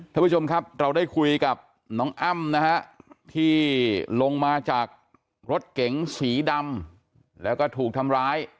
ท่านผู้ชมครับเราได้คุยกับน้องอ้ำนะฮะที่ลงมาจากรถเก๋งสีดำแล้วก็ถูกทำร้าย